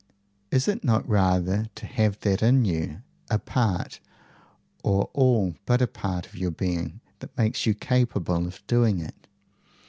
"Is it not rather to have that in you, a part, or all but a part of your being, that makes you capable of doing it?